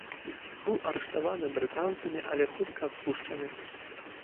Быў арыштаваны брытанцамі, але хутка адпушчаны.